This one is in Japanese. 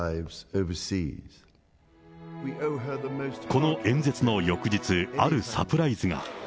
この演説の翌日、あるサプライズが。